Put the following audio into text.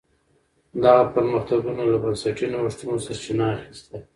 دغه پرمختګونو له بنسټي نوښتونو سرچینه اخیسته.